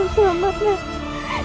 alhamdulillah nato selamat nato